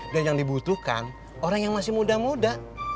dan yang dibutuhkan orang yang masih muda muda